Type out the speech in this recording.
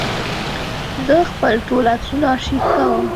زه خپل ټول عکسونه آرشیف کوم.